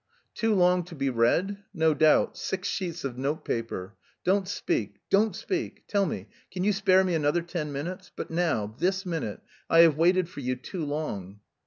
"Too long to be read? No doubt; six sheets of notepaper. Don't speak! Don't speak! Tell me, can you spare me another ten minutes?... But now, this minute... I have waited for you too long."